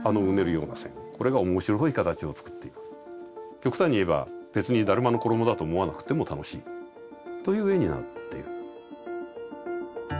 極端に言えば別に達磨の衣だと思わなくても楽しいという絵になるっていう。